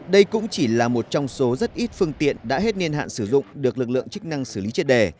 đây cũng chỉ là một trong số rất ít phương tiện đã hết niên hạn sử dụng được lực lượng chức năng xử lý triệt đề